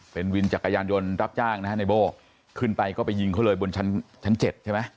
เป็นวินจักรยานยนต์รับจ้างนะฮะในโบ้ขึ้นไปก็ไปยิงเขาเลยบนชั้น๗ใช่ไหม